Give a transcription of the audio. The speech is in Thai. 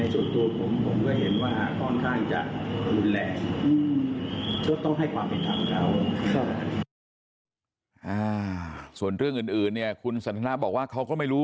ส่วนเรื่องอื่นเนี่ยคุณสันทนาบอกว่าเขาก็ไม่รู้